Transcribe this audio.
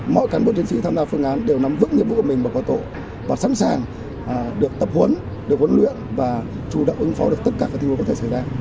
mỗi cán bộ chiến sĩ tham gia phương án đều nắm vững nghiệp vụ mình và có tổ và sẵn sàng được tập huấn được huấn luyện và chủ động ứng phó được tất cả các tình huống có thể xảy ra